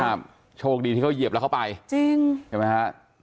ครับโชคดีที่เขาเหยียบแล้วเขาไปจริงใช่ไหมฮะ